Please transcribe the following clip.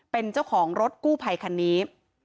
เป็นเจ้าของรถกู้ภัยคันนี้